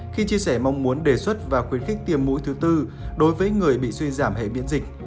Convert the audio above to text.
khi chia sẻ mong muốn đề xuất và khuyến khích tiêm mũi thứ tư đối với người bị suy giảm hệ biễn dịch